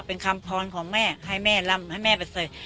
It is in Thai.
เป็นคำพรของแม่ให้แม่ลำให้แม่ไปเสย